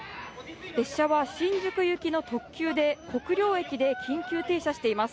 列車は新宿行きの特急で国領駅で緊急停車しています。